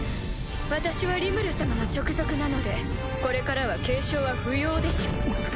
私はリムル様の直属なのでこれからは敬称は不要でしょう。